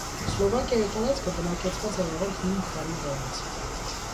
Սլովակիայի տարածքը բնակեցված է եղել հին քարի դարից։